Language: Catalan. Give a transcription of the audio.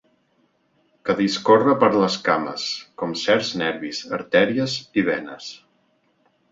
Que discorre per les cames, com certs nervis, artèries i venes.